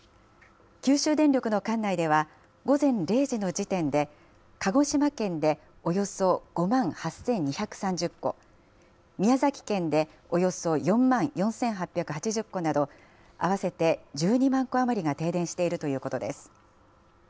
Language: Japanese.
九州電力の管内では午前０時の時点で鹿児島県でおよそ５万８２３０戸宮崎県でおよそ４万４８８０戸など合わせて１２万戸余りが停電しているということです。